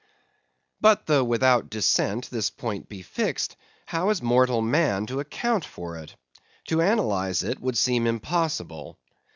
But though without dissent this point be fixed, how is mortal man to account for it? To analyse it, would seem impossible.